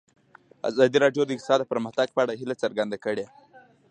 ازادي راډیو د اقتصاد د پرمختګ په اړه هیله څرګنده کړې.